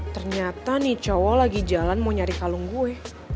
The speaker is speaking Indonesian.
ternyata nih cowok lagi jalan mau nyari kalung gue